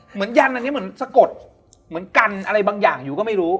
ยันอันนี้เหมือนสะกดเหมือนกันอะไรบางอย่างอยู่ก็ไม่รู้